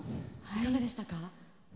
いかがでしたか？